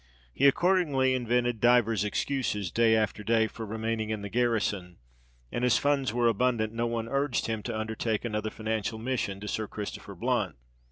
He accordingly invented divers excuses, day after day, for remaining in "the garrison;" and as funds were abundant, no one urged him to undertake another financial mission to Sir Christopher Blunt.